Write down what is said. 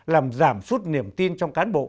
làm giảm sút niềm tin trong cán bộ